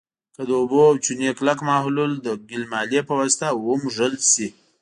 که د اوبو او چونې کلک محلول د ګلمالې په واسطه ومږل شي.